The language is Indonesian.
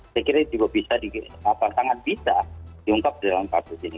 saya kira ini juga bisa diungkap dalam kasus ini